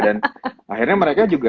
dan akhirnya mereka juga